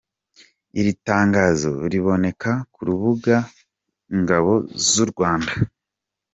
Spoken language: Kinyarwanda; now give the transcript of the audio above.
Iri tangazo riboneka ku rubuga ry’ ingabo z’ u Rwanda www.mod.gov.rw